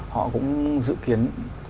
họ cũng dự kiến